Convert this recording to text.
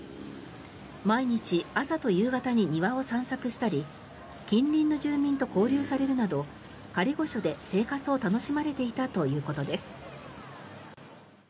毎日、朝と夕方に庭を散策したり近隣の住民と交流されるなど仮御所で生活を楽しまれていたということです。